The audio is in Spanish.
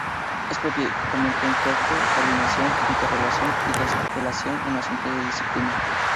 Es propiamente un cuerpo de coordinación, interrelación y de apelación en asuntos de disciplina.